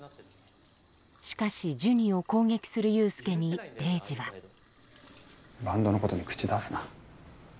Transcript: しかしジュニを攻撃する裕介にレイジはバンドのことに口出すな。